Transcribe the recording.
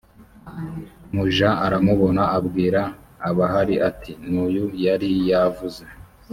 muja aramubona abwira abahari ati n uyu yari yavuze